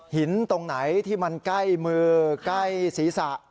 ตรงไหนที่มันใกล้มือใกล้ศีรษะ